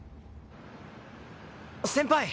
先輩！